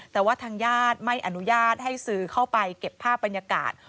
แต่ว่าทางญาติไม่อนุญาตให้สื่อเข้าไปเก็บภาพบรรยากาศ